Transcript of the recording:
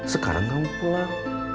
sekarang kamu pulang